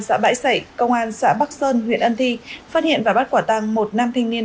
xã bãi sảy công an xã bắc sơn huyện ân thi phát hiện và bắt quả tăng một nam thanh niên